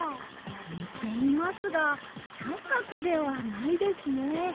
にていますがサンカクではないですね。